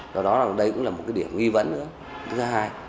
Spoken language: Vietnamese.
do đó đây cũng là một cái điểm nghi vấn nữa thứ hai